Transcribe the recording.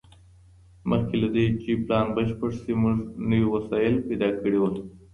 مخکي له دې چي پلان بشپړ سي موږ نوي وسايل پيدا کړي وو.